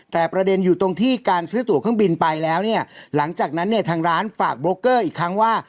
แต่ประเด็นอยู่ตรงที่การซื้อตัวเครื่องบินไปแล้วเนี่ยหลังจากนั้นเนี่ยทางร้านฝากโบเกอร์อีกครั้งว่า